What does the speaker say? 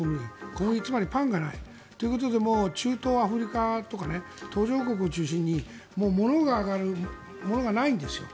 小麦、つまりパンがないということでということで中東、アフリカとか途上国を中心に物が上がる物がないんですよ。